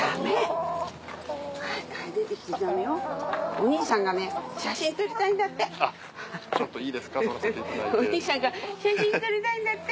お兄さんが写真撮りたいんだって。